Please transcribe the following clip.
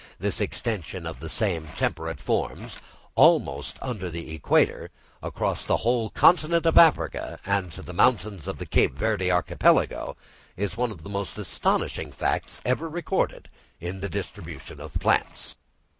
This extension of the same temperate forms, almost under the equator, across the whole continent of Africa and to the mountains of the Cape Verde archipelago, is one of the most astonishing facts ever recorded in the distribution of plants.